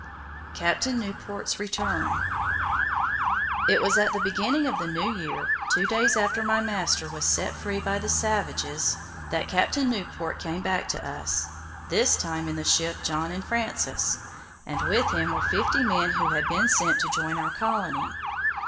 CAPTAIN NEWPORT'S RETURN It was at the beginning of the new year, two days after my master was set free by the savages, that Captain Newport came back to us, this time in the ship John and Francis, and with him were fifty men who had been sent to join our colony.